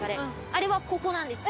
あれはここなんです。